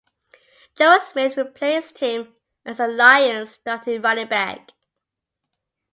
Joe Smith replaced him as the Lions' starting running back.